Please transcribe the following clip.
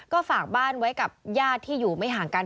ก็ฝากบ้านไว้กับญาติที่อยู่ไม่ห่างกัน